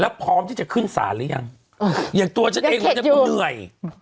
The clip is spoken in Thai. แล้วพร้อมที่จะขึ้นศาลหรือยังอย่างตัวฉันเองวันนี้ก็เหนื่อย